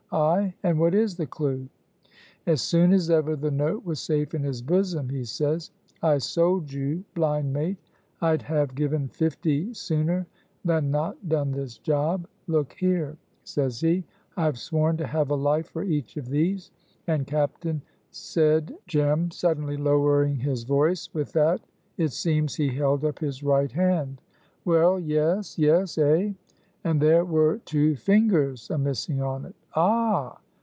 "Ay, and what is the clew?" "As soon as ever the note was safe in his bosom he says: 'I sold you, blind mate; I'd have given fifty sooner than not done this job. Look here!' says he, 'I have sworn to have a life for each of these;' and, captain," said Jem, suddenly lowering his voice, "with that it seems he held up his right hand." "Well, yes! yes! eh!" "And there were two fingers a missing on it!" "Ah!"